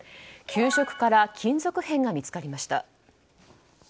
給食から金属片が見つかりました。